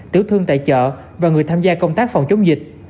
tiểu thương tại chợ và người tham gia công tác phòng chống dịch